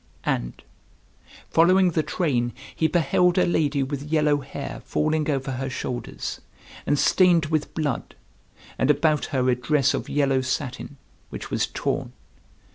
And, following the train, he beheld a lady with yellow hair falling over her shoulders, and stained with blood; and about her a dress of yellow satin, which was torn.